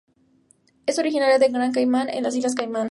Es originaria de Gran Caimán en las Islas Caimán.